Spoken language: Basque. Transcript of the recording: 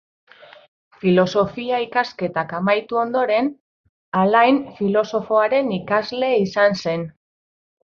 Filosofia-ikasketak amaitu ondoren, Alain filosofoaren ikasle izan zen.